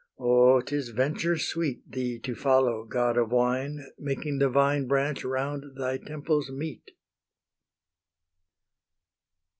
O, 'tis venture sweet Thee to follow, God of wine, Making the vine branch round thy temples meet!